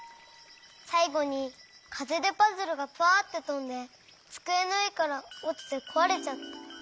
さいごにかぜでパズルがパァってとんでつくえのうえからおちてこわれちゃった。